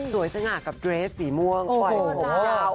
สวยสง่ากับเกรสสีม่วงโอ้โฮจริง